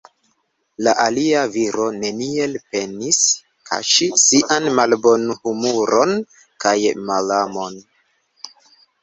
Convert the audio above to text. La alia viro neniel penis kaŝi sian malbonhumoron kaj malamon.